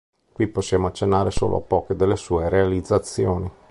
Qui possiamo accennare solo a poche delle sue realizzazioni.